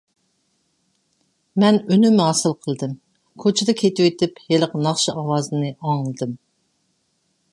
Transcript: مەن ئۈنۈم ھاسىل قىلدىم. كوچىدا كېتىۋېتىپ ھېلىقى ناخشا ئاۋازىنى ئاڭلىدىم.